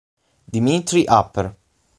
Dmitrij Upper